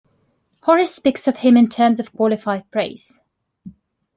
Horace speaks of him in terms of qualified praise.